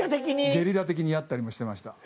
ゲリラ的にやったりもしてました。